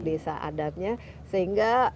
desa adatnya sehingga